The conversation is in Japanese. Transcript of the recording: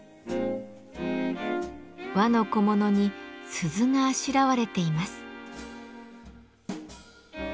和の小物に鈴があしらわれています。